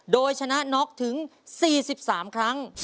โดยชนะน็อกถึง๔๓ครั้ง